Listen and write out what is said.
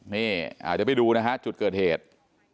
นี่อาจจะไปดูนะครับจุดเกิดเหตุ